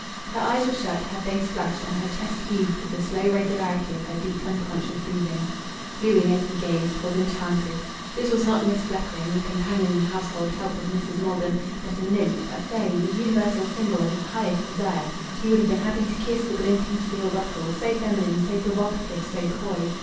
Her eyes were shut, her face flushed; and her chest heaved with the slow regularity of her deep, unconscious breathing. Louis as he gazed was enchanted. This was not Miss Fleckring, the companion and household help of Mrs. Maldon, but a nymph, a fay, the universal symbol of his highest desire.... He would have been happy to kiss the glinting steel buckle, so feminine, so provocative, so coy.